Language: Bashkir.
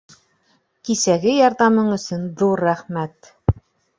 Кисәге ярҙамың өсөн ҙур рәхмәт.